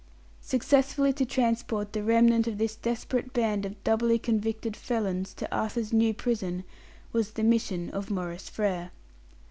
Successfully to transport the remnant of this desperate band of doubly convicted felons to Arthur's new prison, was the mission of Maurice Frere.